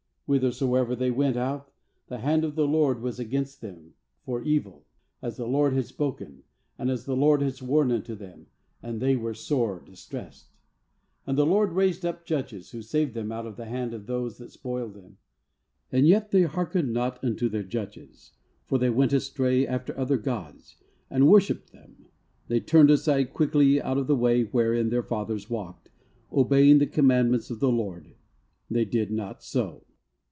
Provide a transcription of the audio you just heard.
"Whithersoever they went out, the hand of the LORD, was against them for evil, as the LORD had spoken, and as the LORD had sworn unto them; and they were sore distressed. 16And the LORD raised up judges, who saved them out of the hand of those that spoiled them. 17And yet they heark ened not unto their judges, for they went astray after other gods, and worshipped them; they turned aside quickly out of the way wherein their fathers walked, obeying the com mandments of the LORD; they did not so.